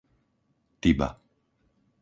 Tiba